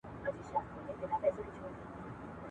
د دې نظر اصل د کوم ځای له احکامو څخه دی؟